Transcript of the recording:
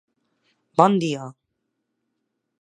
bon dia!